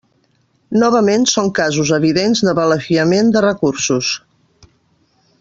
Novament són casos evidents de balafiament de recursos.